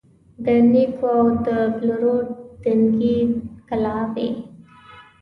د نیکو او د پلرو دنګي کلاوي